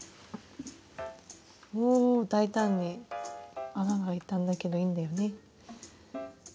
おぉ大胆に穴が開いたんだけどいいんだよね。